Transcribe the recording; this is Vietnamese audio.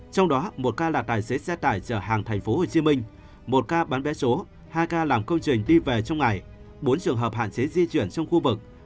trong đó một ca là tài xế xe tải trở hàng thành phố hồ chí minh một ca bán vé số hai ca làm công trình đi về trong ngày bốn trường hợp hạn chế di chuyển trong khu vực